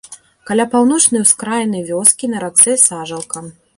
Каля паўночнай ускраіны вёскі на рацэ сажалка.